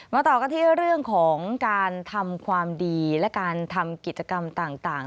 ต่อกันที่เรื่องของการทำความดีและการทำกิจกรรมต่าง